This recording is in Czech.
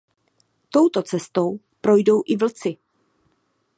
Touto cestou projdou i vlci.